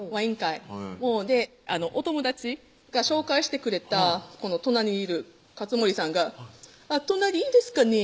お友達が紹介してくれたこの隣にいる勝盛さんが「隣いいですかね」